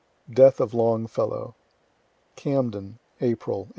DEATH OF LONGFELLOW Camden, April, '82.